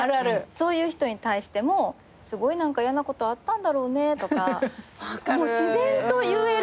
そういう人に対しても「すごい嫌なことあったんだろうね」とか自然と言えるんですよ。